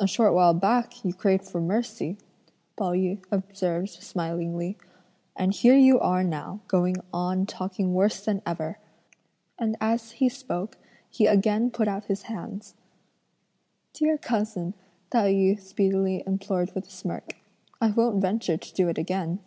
"A short while back you craved for mercy," Pao yü observed smilingly, "and here you are now going on talking worse than ever;" and as he spoke he again put out his hands. "Dear cousin," Tai yü speedily implored with a smirk, "I won't venture to do it again."